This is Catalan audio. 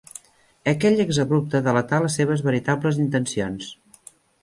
Aquell exabrupte delatà les seves veritables intencions.